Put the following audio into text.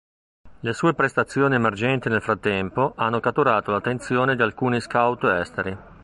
Le sue prestazioni emergenti nel frattempo hanno catturato l'attenzione di alcuni scout esteri.